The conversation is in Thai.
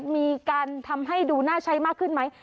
มีการทำให้ดูน่าใช้มากขึ้นไหม